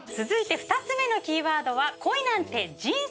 続いて２つ目のキーワードは。